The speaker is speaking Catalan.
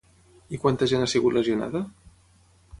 I quanta gent ha sigut lesionada?